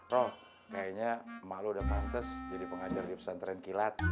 roh kayaknya malu udah pantes jadi pengajar di pesantren kilat